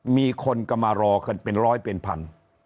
มีคนก็มารอกันเป็นร้อยเป็นพัน